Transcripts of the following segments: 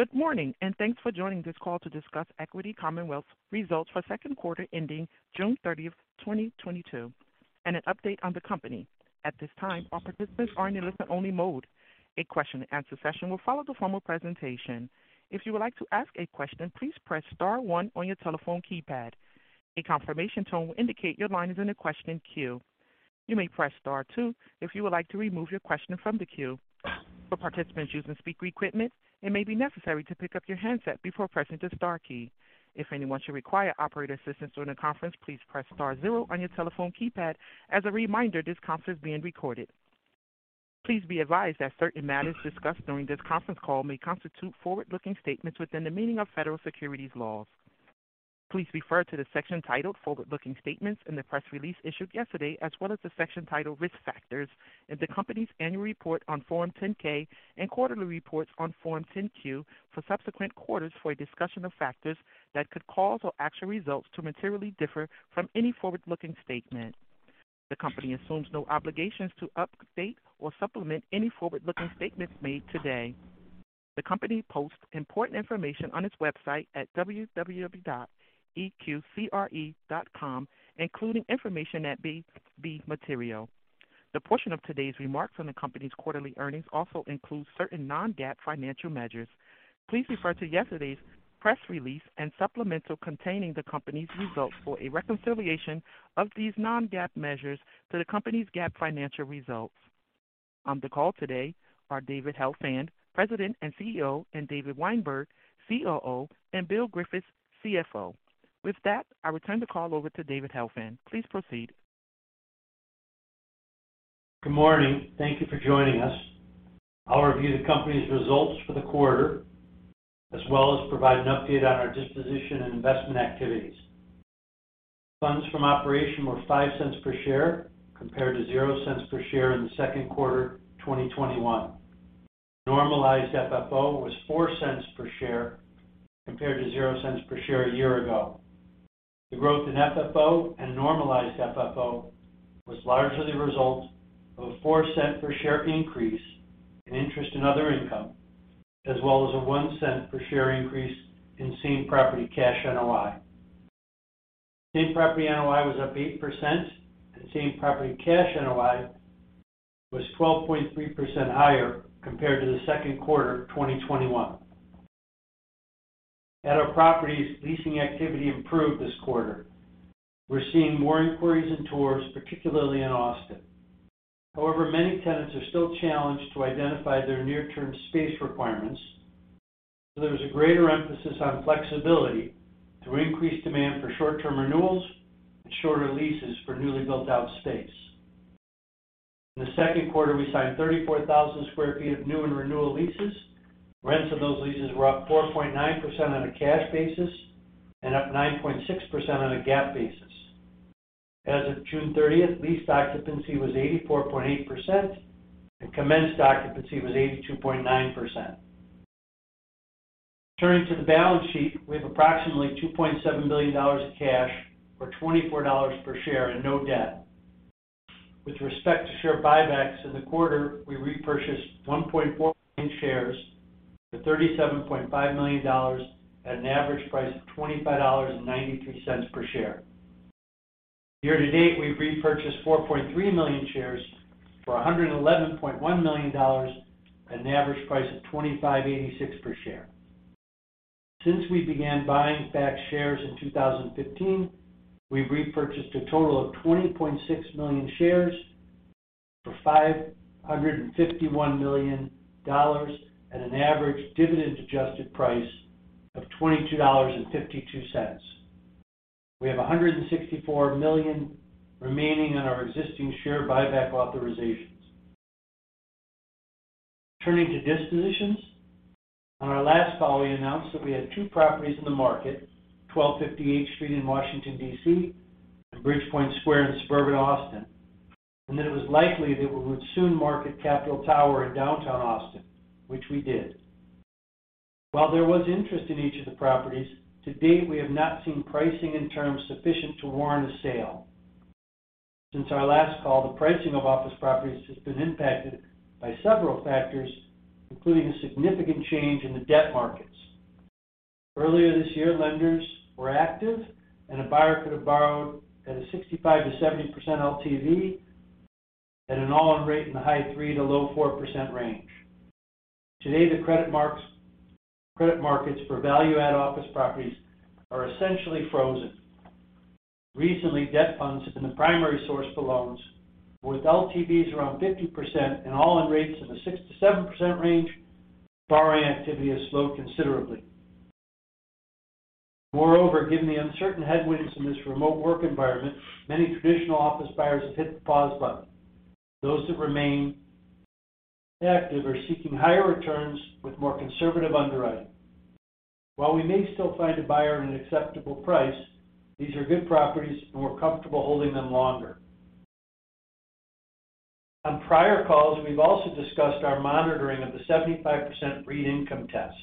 Good morning, and thanks for joining this call to discuss Equity Commonwealth's results for second quarter ending June 30, 2022, and an update on the company. At this time, all participants are in a listen only mode. A question and answer session will follow the formal presentation. If you would like to ask a question, please press star one on your telephone keypad. A confirmation tone will indicate your line is in a question queue. You may press star two if you would like to remove your question from the queue. For participants using speaker equipment, it may be necessary to pick up your handset before pressing the star key. If anyone should require operator assistance during the conference, please press star zero on your telephone keypad. As a reminder, this conference is being recorded. Please be advised that certain matters discussed during this conference call may constitute forward-looking statements within the meaning of Federal securities laws. Please refer to the section titled Forward-Looking Statements in the press release issued yesterday, as well as the section titled Risk Factors in the company's annual report on Form 10-K and quarterly reports on Form 10-Q filings for subsequent quarters for a discussion of factors that could cause our actual results to materially differ from any forward-looking statement. The company assumes no obligations to update or supplement any forward-looking statements made today. The company posts important information on its website at www.eqc.com, including information that may be material. The portion of today's remarks on the company's quarterly earnings also includes certain non-GAAP financial measures. Please refer to yesterday's press release and supplemental containing the company's results for a reconciliation of these non-GAAP measures to the company's GAAP financial results. On the call today are David Helfand, President and CEO, and David Weinberg, COO, and Bill Griffiths, CFO. With that, I return the call over to David Helfand. Please proceed. Good morning. Thank you for joining us. I'll review the company's results for the quarter, as well as provide an update on our disposition and investment activities. Funds from operations were $0.05 per share compared to $0.00 per share in the Q2 2021. Normalized FFO was $0.04 per share compared to $0.00 per share a year ago. The growth in FFO and normalized FFO was largely the result of a $0.04 per share increase in interest and other income, as well as a $0.01 per share increase in same property cash NOI. Same property NOI was up 8%, and same property cash NOI was 12.3% higher compared to the Q2 2021. At our properties, leasing activity improved this quarter. We're seeing more inquiries and tours, particularly in Austin. However, many tenants are still challenged to identify their near-term space requirements, so there's a greater emphasis on flexibility through increased demand for short-term renewals and shorter leases for newly built out space. In the Q2, we signed 34,000 sq ft of new and renewal leases. Rents of those leases were up 4.9% on a cash basis and up 9.6% on a GAAP basis. As of June 30, lease occupancy was 84.8%, and commenced occupancy was 82.9%. Turning to the balance sheet, we have approximately $2.7 billion of cash, or $24 per share and no debt. With respect to share buybacks in the quarter, we repurchased 1.4 million shares for $37.5 million at an average price of $25.93 per share. Year to date, we've repurchased 4.3 million shares for $111.1 million at an average price of $25.86 per share. Since we began buying back shares in 2015, we've repurchased a total of 20.6 million shares for $551 million at an average dividend adjusted price of $22.52. We have $164 million remaining on our existing share buyback authorizations. Turning to dispositions. On our last call, we announced that we had two properties in the market, 1250 H Street in Washington, D.C., and Bridgepoint Square in suburban Austin, and that it was likely that we would soon market Capital Tower in downtown Austin, which we did. While there was interest in each of the properties, to date, we have not seen pricing in terms sufficient to warrant a sale. Since our last call, the pricing of office properties has been impacted by several factors, including a significant change in the debt markets. Earlier this year, lenders were active and a buyer could have borrowed at a 65%-70% LTV at an all-in rate in the high 3%-low 4% range. Today, the credit markets for value add office properties are essentially frozen. Recently, debt funds have been the primary source for loans with LTVs around ~50% and all-in rates in the 6%-7% range, borrowing activity has slowed considerably. Moreover, given the uncertain headwinds in this remote work environment, many traditional office buyers have hit the pause button. Those that remain active are seeking higher returns with more conservative underwriting. While we may still find a buyer at an acceptable price, these are good properties and we're comfortable holding them longer. On prior calls, we've also discussed our monitoring of the 75% REIT income test.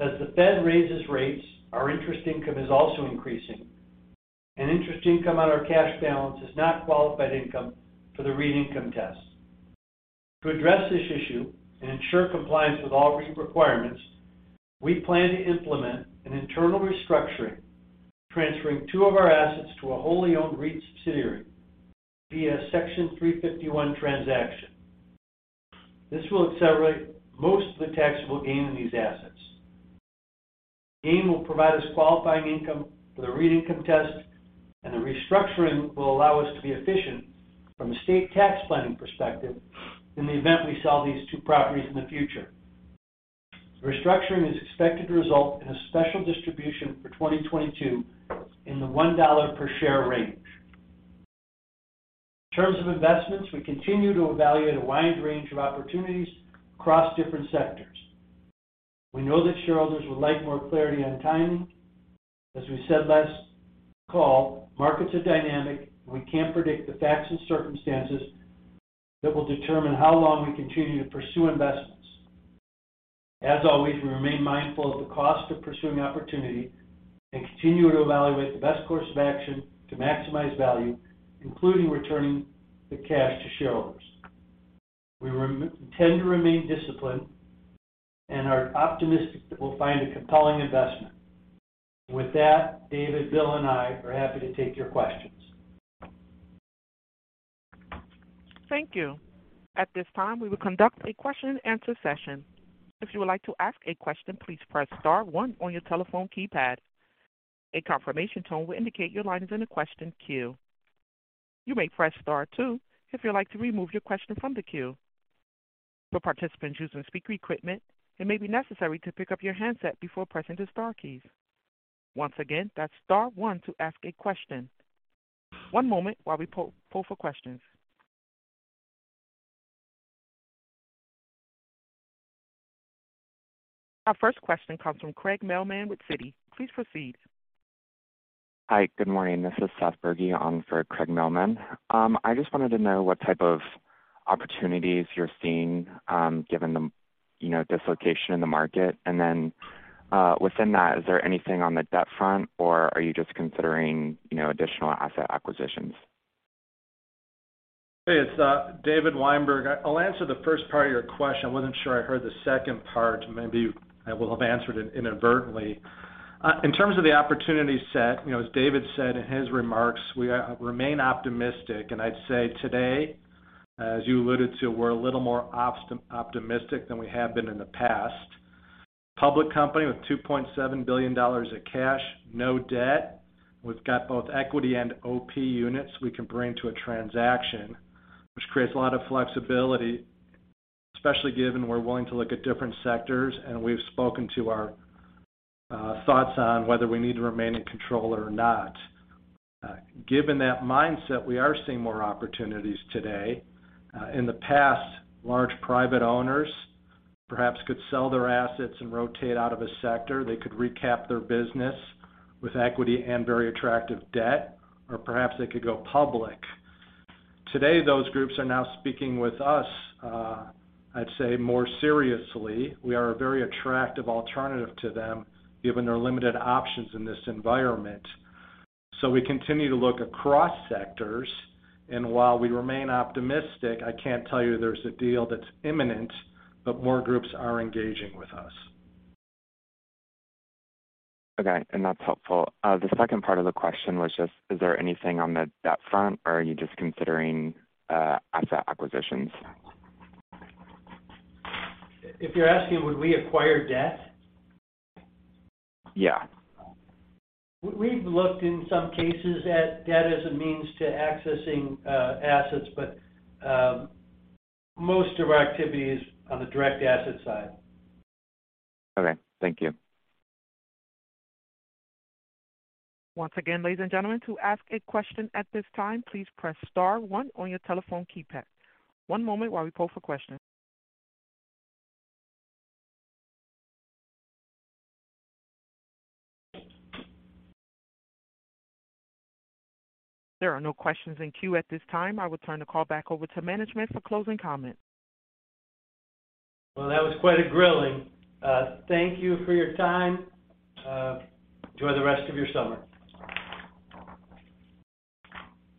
As the Fed raises rates, our interest income is also increasing. Interest income on our cash balance is not qualified income for the REIT income test. To address this issue and ensure compliance with all REIT requirements, we plan to implement an internal restructuring, transferring two of our assets to a wholly owned REIT subsidiary via Section 351 transaction. This will accelerate most of the taxable gain in these assets. Gain will provide us qualifying income for the REIT income test, and the restructuring will allow us to be efficient from a state tax planning perspective in the event we sell these two properties in the future. The restructuring is expected to result in a special distribution for 2022 in the $1 per share range. In terms of investments, we continue to evaluate a wide range of opportunities across different sectors. We know that shareholders would like more clarity on timing. As we said last call, markets are dynamic, and we can't predict the facts and circumstances that will determine how long we continue to pursue investments. As always, we remain mindful of the cost of pursuing opportunity and continue to evaluate the best course of action to maximize value, including returning the cash to shareholders. We intend to remain disciplined and are optimistic that we'll find a compelling investment. With that, David, Bill and I are happy to take your questions. Thank you. At this time, we will conduct a question and answer session. If you would like to ask a question, please press star one on your telephone keypad. A confirmation tone will indicate your line is in the question queue. You may press star two if you'd like to remove your question from the queue. For participants using speaker equipment, it may be necessary to pick up your handset before pressing the star keys. Once again, that's star one to ask a question. One moment while we poll for questions. Our first question comes from Craig Mailman with Citi. Please proceed. Hi. Good morning. This is Seth Bergel on for Craig Mailman. I just wanted to know what type of opportunities you're seeing, given the, you know, dislocation in the market. Within that, is there anything on the debt front, or are you just considering, you know, additional asset acquisitions? It's David Weinberg. I'll answer the first part of your question. I wasn't sure I heard the second part. Maybe I will have answered it inadvertently. In terms of the opportunity set, you know, as David said in his remarks, we remain optimistic. I'd say today, as you alluded to, we're a little more optimistic than we have been in the past. Public company with $2.7 billion of cash, no debt. We've got both equity and OP units we can bring to a transaction, which creates a lot of flexibility, especially given we're willing to look at different sectors. We've spoken to our thoughts on whether we need to remain in control or not. Given that mindset, we are seeing more opportunities today. In the past, large private owners perhaps could sell their assets and rotate out of a sector. They could recap their business with equity and very attractive debt, or perhaps they could go public. Today, those groups are now speaking with us, I'd say more seriously. We are a very attractive alternative to them given their limited options in this environment. We continue to look across sectors and while we remain optimistic, I can't tell you there's a deal that's imminent, but more groups are engaging with us. Okay, that's helpful. The second part of the question was just, is there anything on the debt front or are you just considering asset acquisitions? If you're asking would we acquire debt? Yeah. We've looked in some cases at debt as a means to accessing assets, but most of our activity is on the direct asset side. Okay, thank you. Once again, ladies and gentlemen, to ask a question at this time, please press star one on your telephone keypad. One moment while we poll for questions. There are no questions in queue at this time. I will turn the call back over to management for closing comments. Well, that was quite a grilling. Thank you for your time. Enjoy the rest of your summer.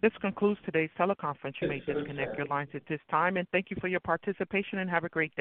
This concludes today's teleconference. You may disconnect your lines at this time, and thank you for your participation and have a great day.